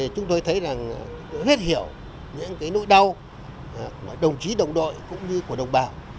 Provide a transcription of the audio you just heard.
chúng tôi thấy là rất hiểu những nỗi đau của đồng chí đồng đội cũng như của đồng bào